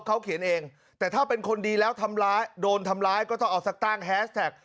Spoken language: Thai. เขาเขียนเองแต่ถ้าเป็นคนดีแล้วทำร้ายโดนทำร้ายก็ต้องเอาสักตั้งแฮสแท็ก